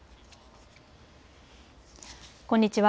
こんにちは。